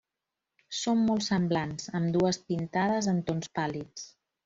Són molt semblants, ambdues pintades en tons pàl·lids.